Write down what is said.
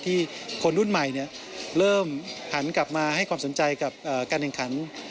คนรุ่นใหม่เริ่มหันกลับมาให้ความสนใจกับการแข่งขัน